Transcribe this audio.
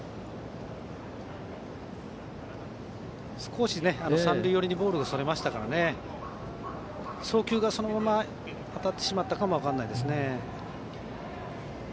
少し三塁寄りにボールがそれましたから送球がそのまま当たってしまったのかも分からないですね。